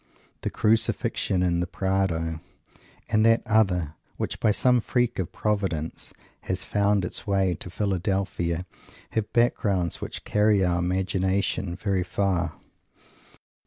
The Crucifixion in the Prado, and that other, which, by some freak of Providence, has found its way to Philadelphia, have backgrounds which carry our imagination very far.